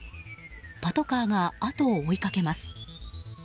パトカーが後を追いかけます。